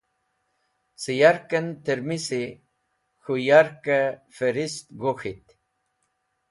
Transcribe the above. Cẽ yarkẽn tẽrmisi k̃hũ yarkẽ fẽrist gok̃hit